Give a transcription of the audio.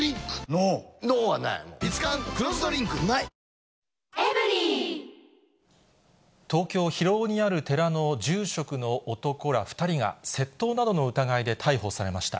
過去最大の補助金も東京・広尾にある寺の住職の男ら２人が、窃盗などの疑いで逮捕されました。